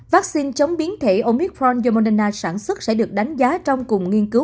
vaccine chống biến thể omicron do moderna sản xuất sẽ được đánh giá trong cùng nghiên cứu